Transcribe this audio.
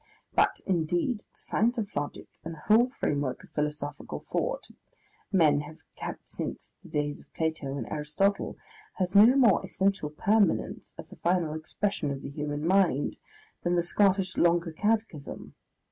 But, indeed, the science of logic and the whole framework of philosophical thought men have kept since the days of Plato and Aristotle, has no more essential permanence as a final expression of the human mind, than the Scottish Longer Catechism.